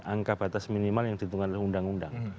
angka batas minimal yang ditunggu oleh undang undang